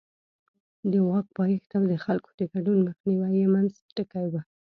د واک پایښت او د خلکو د ګډون مخنیوی یې منځ ټکی و.